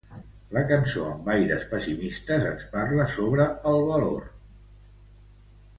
La cançó amb aires pessimistes ens parla sobre el valor.